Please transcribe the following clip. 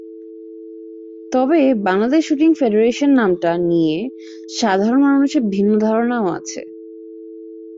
তবে Bangladesh shooting federation নামটা নিয়ে সাধারণ মানুষের ভিন্ন ধারণাও আছে।